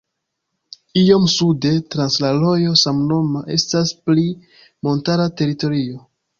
Iom sude, trans la rojo samnoma, estas pli montara teritorio.